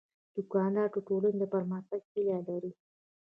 دوکاندار د ټولنې د پرمختګ هیله لري.